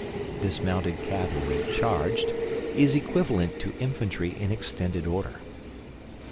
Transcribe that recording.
Dismounted cavalry charged is equivalent to infantry in extended order.